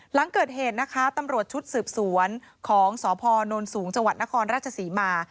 หลังเกิดเหตุนะคะตำรวจชุดสืบสวนของสพนสูงจนรศมา